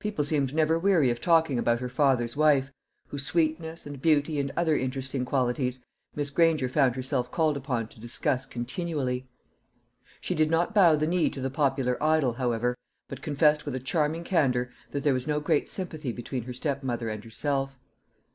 People seemed never weary of talking about her father's wife, whose sweetness, and beauty, and other interesting qualities, Miss Granger found herself called upon to discuss continually. She did not bow the knee to the popular idol, however, but confessed with a charming candour that there was no great sympathy between her stepmother and herself.